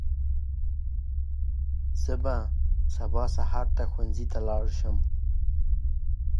جنرالان په مخالفت کې وو.